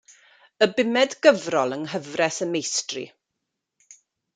Y bumed gyfrol yng Nghyfres y Meistri.